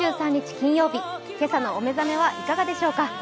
金曜日、今朝のお目覚めはいかがでしょうか。